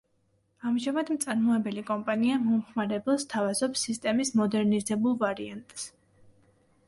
ამჟამად მწარმოებელი კომპანია მომხმარებელს სთავაზობს სისტემის მოდერნიზებულ ვარიანტს.